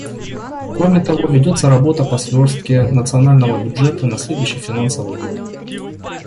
Кроме того, ведется работа по сверстке национального бюджета на следующий финансовый год.